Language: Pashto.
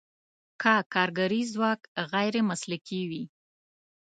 که کارګري ځواک غیر مسلکي وي.